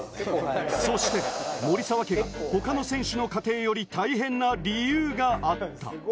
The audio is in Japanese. そして守澤家が他の選手の家庭より大変な理由があった。